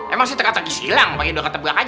emang sih terkata kisilang pakai dua kata belakang